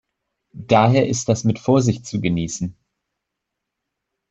Daher ist das mit Vorsicht zu genießen.